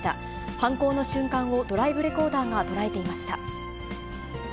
犯行の瞬間をドライブレコーダーが捉えていました。